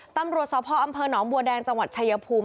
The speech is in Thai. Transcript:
ตำรวจสพอำเภอหนองบัวแดงจังหวัดชายภูมิ